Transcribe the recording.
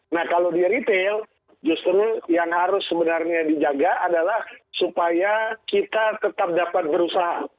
nah kalau di retail justru yang harus sebenarnya dijaga adalah supaya kita tetap dapat berusaha